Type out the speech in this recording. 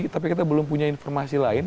tapi kita belum punya informasi lain